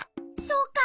そうか。